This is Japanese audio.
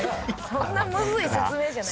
そんなむずい説明じゃない。